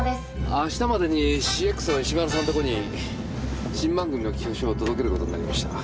あしたまでにＣＸの石丸さんとこに新番組の企画書を届けることになりました。